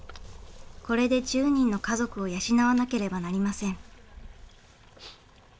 これで１０人の家族を養わなければなりません。